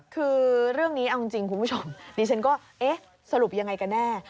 คือเรื่องนี้เอาจริงคุณผู้ชมดิฉันก็เอ๊ะสรุปยังไงกันแน่